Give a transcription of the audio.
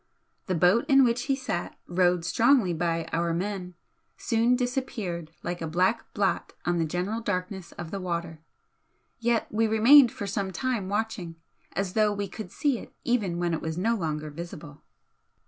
The boat in which he sat, rowed strongly by our men, soon disappeared like a black blot on the general darkness of the water, yet we remained for some time watching, as though we could see it even when it was no longer visible.